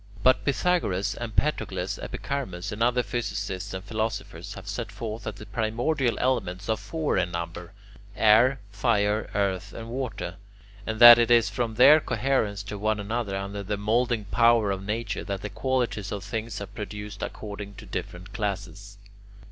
But Pythagoras, Empedocles, Epicharmus, and other physicists and philosophers have set forth that the primordial elements are four in number: air, fire, earth, and water; and that it is from their coherence to one another under the moulding power of nature that the qualities of things are produced according to different classes.